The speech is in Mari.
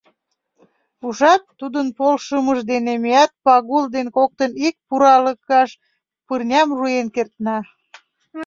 Ужат, тудын полшымыж дене меат Пагул ден коктын ик пуралыкаш пырням руэн кертна.